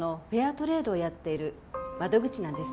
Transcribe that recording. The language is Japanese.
トレードをやっている窓口なんです。